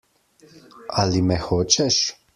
Ali me hočeš?